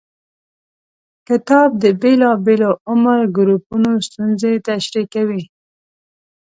کتاب د بېلابېلو عمر ګروپونو ستونزې تشریح کوي.